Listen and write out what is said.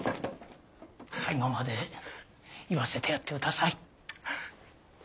最後まで言わせてやってください。